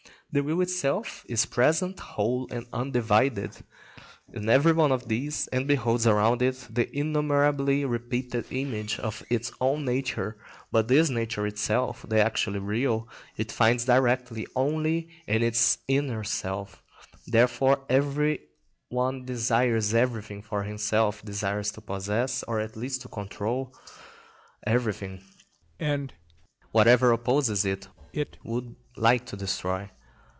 The will itself is present, whole and undivided, in every one of these, and beholds around it the innumerably repeated image of its own nature; but this nature itself, the actually real, it finds directly only in its inner self. Therefore every one desires everything for himself, desires to possess, or at least to control, everything, and whatever opposes it it would like to destroy.